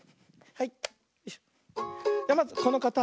はい。